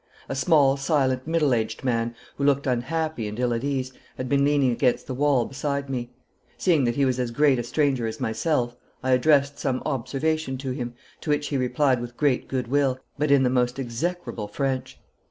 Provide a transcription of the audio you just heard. A small, silent, middle aged man, who looked unhappy and ill at ease, had been leaning against the wall beside me. Seeing that he was as great a stranger as myself, I addressed some observation to him, to which he replied with great good will, but in the most execrable French.